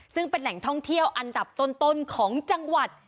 ซึ่งเป็นแหล่งท่องเที่ยวอันดับต้นของจังหวัด